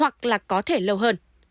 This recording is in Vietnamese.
hoặc là có thể lâu hơn